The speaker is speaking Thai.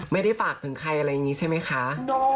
ไม่ได้ฝากถึงใครอะไรอย่างนี้ใช่ไหมคะ